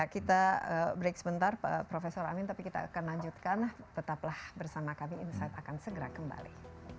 kita break sebentar profesor amin tapi kita akan lanjutkan tetaplah bersama kami insight akan segera kembali